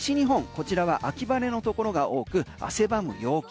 こちらは秋晴れのところが多く汗ばむ陽気。